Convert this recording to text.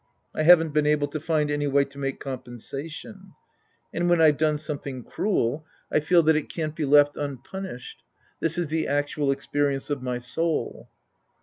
I haven't been able to find any way to make compen sation. And when I've done something cruel, I feel Sc. II The Priest and His Disciples 47 that it can't be left unpunished. This is the actual experience of my soul.